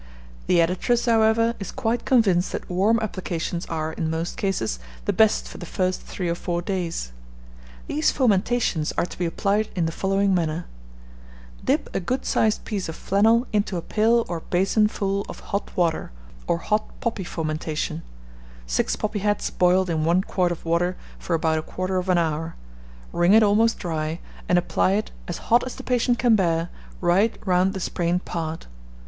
The editress, however, is quite convinced that warm applications are, in most cases, the best for for the first three or four days. These fomentations are to be applied in the following manner: Dip a good sized piece of flannel into a pail or basin full of hot water or hot poppy fomentation, six poppy heads boiled in one quart of water for about a quarter of an hour; wring it almost dry, and apply it, as hot as the patient can bear, right round the sprained part.